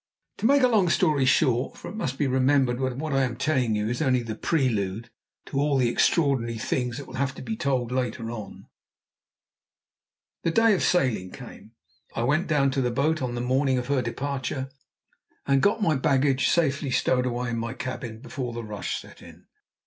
To make a long story short for it must be remembered that what I am telling you is only the prelude to all the extraordinary things that will have to be told later on the day of sailing came. I went down to the boat on the morning of her departure, and got my baggage safely stowed away in my cabin before the rush set in.